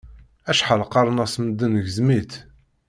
Acḥal qqaren-as medden gzem-itt.